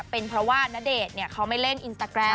เป็นเพราะว่าณเดชน์เขาไม่เล่นอินสตาแกรม